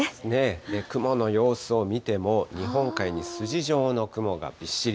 雲の様子を見ても、日本海に筋状の雲がびっしり。